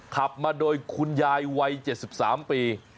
ขับมาโดยคุณยายวัย๗๓ปี